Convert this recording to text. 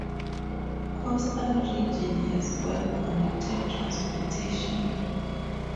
Coastal region has well-connected transportation.